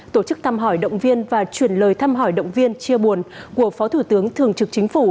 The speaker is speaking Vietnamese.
tổ chức thăm hỏi động viên và truyền lời thăm hỏi động viên chia buồn của phó thủ tướng thường trực chính phủ